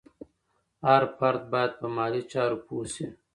هر فرد باید په مالي چارو پوه شي.